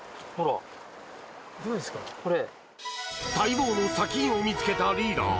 待望の砂金を見つけたリーダー。